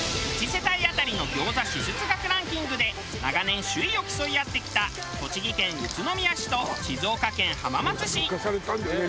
１世帯当たりの餃子支出額ランキングで長年首位を競い合ってきた栃木県宇都宮市と静岡県浜松市。